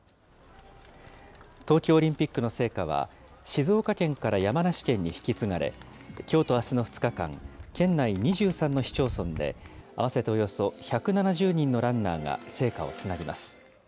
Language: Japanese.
東京オリンピックの聖火は、静岡県から山梨県に引き継がれ、きょうとあすの２日間、県内２３の市町村で、合わせておよそ１７０人のランナーが聖火をつなぎます。